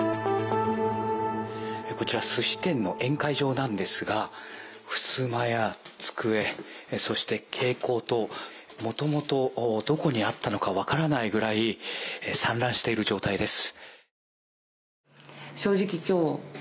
こちら寿司店の宴会場なんですがふすまや机、そして蛍光灯もともとどこにあったのか分からないくらい散乱している状態です。